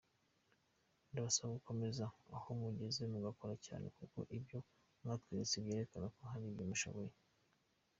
ndabasaba gukomereza ahomugeze mugakora cyane kuko ibyo mwatweretse byerekana ko hari ibyo mushoboye.